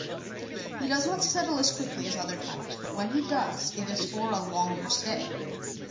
He does not settle as quickly as other types but when he does it is for a longer stay.